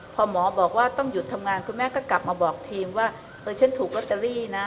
พอหมอบอกว่าต้องหยุดทำงานคุณแม่ก็กลับมาบอกทีมว่าเออฉันถูกลอตเตอรี่นะ